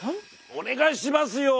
お願いしますよ。